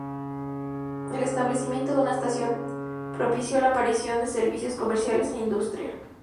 El establecimiento de una estación propició la aparición de servicios, comercios e industria.